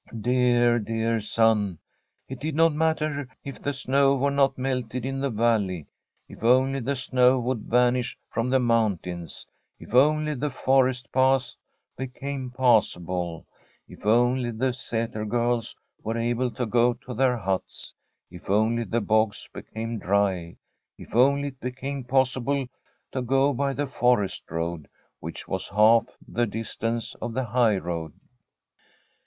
Dear, dear sun I It did not matter if the snow were not melted in the valley, if only the snow would vanish from the mountains, if only the forest paths became passable, if only the Sater girls were able to go to their huts, if only the bogs became dry, if only it became possible to go by the forest road, which was half the distance of the highroad.